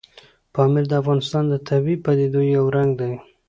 پامیر د افغانستان د طبیعي پدیدو یو رنګ دی.